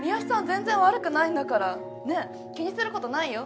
全然悪くないんだからね気にすることないよ。